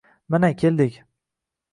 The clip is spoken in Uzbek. Mana, keldik.